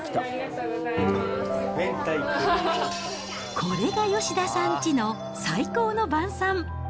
これが吉田さんちの最高の晩さん。